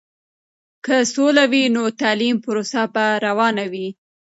که سوله وي، نو تعلیمي پروسه به روانه وي.